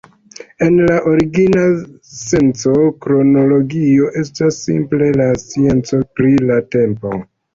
En la origina senco kronologio estas simple la scienco pri la tempo.